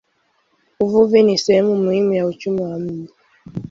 Uvuvi ni sehemu muhimu ya uchumi wa mji.